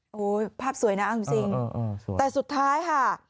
โอ้โหภาพสวยนะเอาจริงแต่สุดท้ายค่ะ